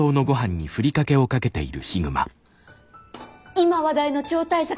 今話題の超大作。